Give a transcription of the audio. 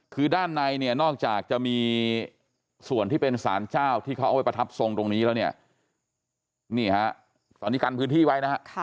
คือด้านในเนี่ยนอกจากจะมีส่วนที่เป็นสารเจ้าที่เขาเอาไว้ประทับทรงตรงนี้แล้วเนี่ยนี่ฮะตอนนี้กันพื้นที่ไว้นะฮะ